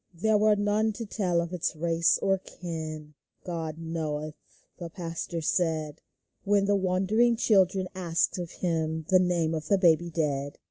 There were none to tell of its race or kin. " God knoweth," the pastor said, When the wondering children asked of him The name of the baby dead.